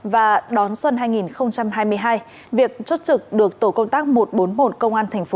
và đón xuân hai nghìn hai mươi hai việc chốt trực được tổ công tác một trăm bốn mươi một công an thành phố